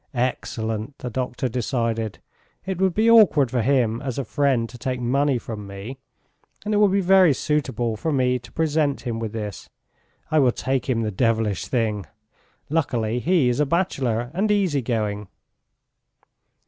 "Excellent," the doctor decided, "it would be awkward for him as a friend to take money from me, and it will be very suitable for me to present him with this. I will take him the devilish thing! Luckily he is a bachelor and easy going."